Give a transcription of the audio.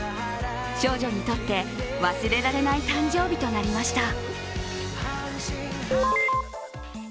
少女にとって忘れられない誕生日となりました。